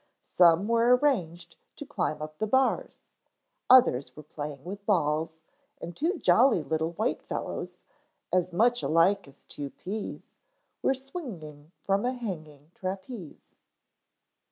Some were arranged to climb up the bars. Others were playing with balls and two jolly little white fellows, as much alike as two peas, were swinging from a hanging trapeze.